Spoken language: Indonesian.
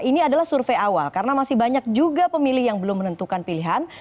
ini adalah survei awal karena masih banyak juga pemilih yang belum menentukan pilihan